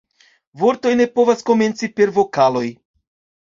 Vortoj ne povas komenci per vokaloj.